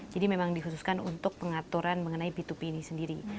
jadi memang dikhususkan untuk pengaturan mengenai p dua p ini sendiri